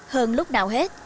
hơn lúc nào hết